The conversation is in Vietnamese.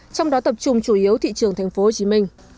trong đó tập trung chủ yếu thị trường tp hcm